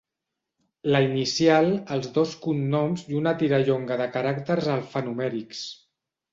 La inicial, els dos cognoms i una tirallonga de caràcters alfanumèrics.